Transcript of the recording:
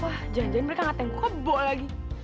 wah jangan jangan mereka ngeteng kebo lagi